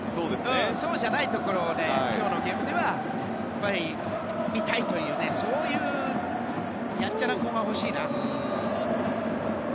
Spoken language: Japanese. そうじゃないところを今日のゲームでは見たいというそういうやんちゃな子が欲しいな。